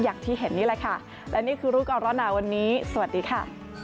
อย่างที่เห็นนี่แหละค่ะและนี่คือรู้ก่อนร้อนหนาวันนี้สวัสดีค่ะ